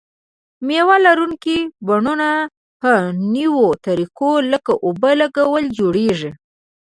مېوه لرونکي بڼونه په نویو طریقو لکه اوبه لګونه جوړیږي.